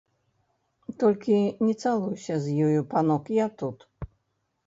Толькі не цалуйся з ёю, панок, я тут.